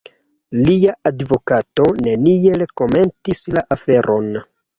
Lia advokato neniel komentis la aferon.